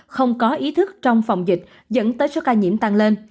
không có ý thức trong phòng dịch dẫn tới số ca nhiễm tăng lên